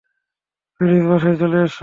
Please বাসায় চলো আসো।